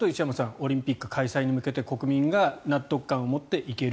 オリンピック開催に向けて国民が納得感を持っていける。